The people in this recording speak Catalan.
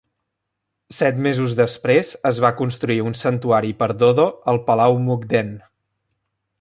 Set mesos després, es va construir un santuari per Dodo al Palau Mukden.